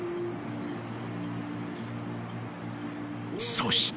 ［そして］